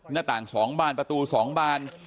หน้าต่างสองบ้านประตูสองบ้าน